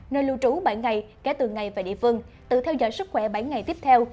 nơi lưu trú bảy ngày kể từ ngày về địa phương tự theo dõi sức khỏe bảy ngày tiếp theo